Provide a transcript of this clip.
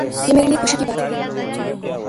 یہ میرے لیے خوشی کی بات ہے۔